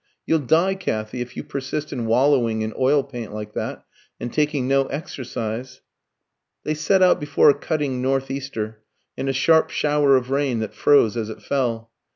You'll die, Kathy, if you persist in wallowing in oil paint like that, and taking no exercise." They set out before a cutting north easter and a sharp shower of rain that froze as it fell.